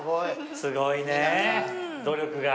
すごいね努力が。